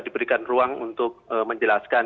diberikan ruang untuk menjelaskan